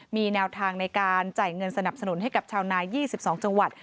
มีแนวทางในการจ่ายเงินสนับสนุนให้กับชาวนา๒๒จังหวัด